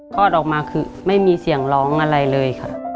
คลอดออกมาคือไม่มีเสียงร้องอะไรเลยค่ะ